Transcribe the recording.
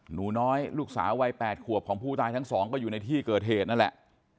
หนูน้อยลูกสาววัย๘ขวบของผู้ตายทั้งสองก็อยู่ในที่เกิดเหตุนั่นแหละ